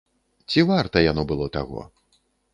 Ці варта яно было таго?